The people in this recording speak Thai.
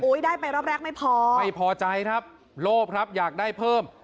ได้ไปรอบแรกไม่พอไม่พอใจครับโลภครับอยากได้เพิ่ม